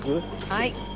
はい。